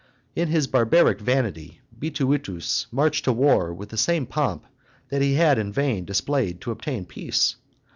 In his barbaric vanity, Bituitus marched to war with the same pomp that he had in vain displayed to obtain peace.